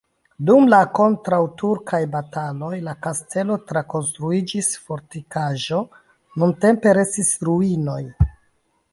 Dum la kontraŭturkaj bataloj la kastelo trakonstruiĝis fortikaĵo, nuntempe restis ruinoj.